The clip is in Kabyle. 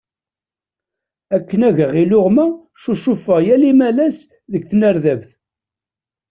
Akken ad geɣ iluɣma, ccucufeɣ yal imalas deg tnerdabt.